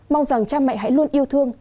mong rằng cha mẹ hãy luôn yêu thương